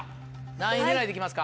何位狙いで行きますか？